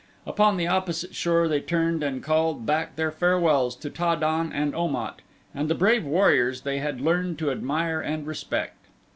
Upon the opposite shore they turned and called back their farewells to Ta den and Om at and the brave warriors they had learned to admire and respect.